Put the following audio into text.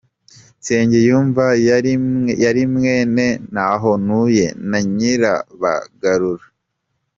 Nsengiyumva yari mwene Ntahontuye na Nyirabagarura.